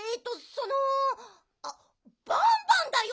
そのあっバンバンだよ！